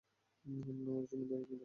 না, ওর ওজন বেড়েছে।